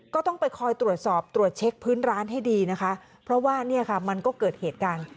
ก็ต้องไปคอยตรวจสอบตรวจเช็คพื้นร้านให้ดีนะคะเพราะว่าเนี่ยค่ะมันก็เกิดเหตุการณ์